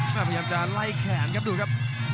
พยายามจะไล่แขนครับดูครับ